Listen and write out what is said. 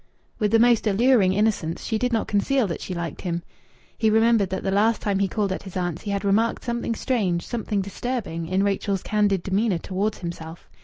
With the most alluring innocence, she did not conceal that she liked him. He remembered that the last time he called at his aunt's he had remarked something strange, something disturbing, in Rachel's candid demeanour towards himself.